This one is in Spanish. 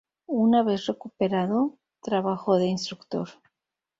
Una vez recuperado, trabajó de instructor.